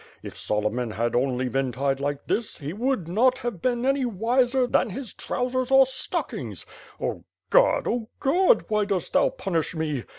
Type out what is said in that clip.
If Solomon had only been tied like this, he would not have been any wiser than his trousers or stockings. Oh God, Oh God, why dost thou punish me!